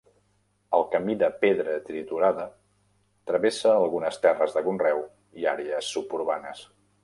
El camí de pedra triturada travessa algunes terres de conreu i àrees suburbanes.